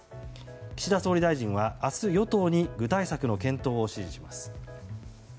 岸田総理大臣は明日、与党に具体策の検討を指示します。